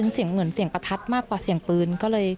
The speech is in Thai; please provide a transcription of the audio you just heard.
เสียงเหมือนเสียงประทัดมากกว่าเสียงปืนก็เลย